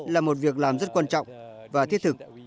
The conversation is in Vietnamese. là một việc làm rất quan trọng và thiết thực